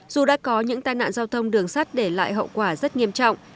dù đã có những tai nạn giao thông đường sắt để lại hậu quả rất nghiêm trọng